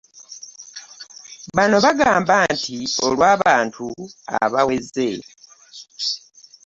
Bano bagamba nti olw'abantu abaweze